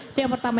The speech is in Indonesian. itu yang pertama